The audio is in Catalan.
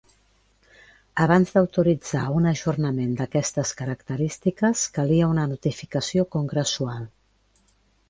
Abans d'autoritzar un ajornament d'aquestes característiques, calia una notificació congressual.